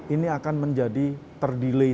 ini akan menjadi ter delay